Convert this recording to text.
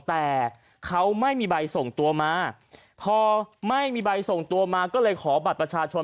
แต่เขาไม่มีใบส่งตัวมาพอไม่มีใบส่งตัวมาก็เลยขอบัตรประชาชน